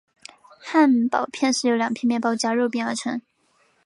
汉堡包是由两片面包夹肉饼而成。